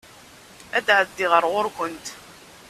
Ad d-ɛeddiɣ ar ɣuṛ-kent.